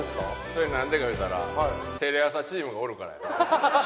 それなんでか言うたらテレ朝チームがおるからや。